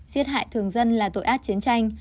giết hại thường dân là tội ác chiến tranh